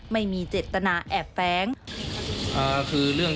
ไม่มีเจตนาแอบแฟ้ง